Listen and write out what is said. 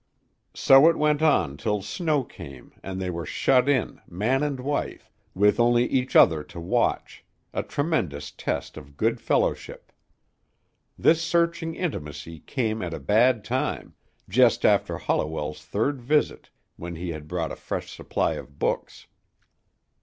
So it went on till snow came and they were shut in, man and wife, with only each other to watch, a tremendous test of good fellowship. This searching intimacy came at a bad time, just after Holliwell's third visit when he had brought a fresh supply of books.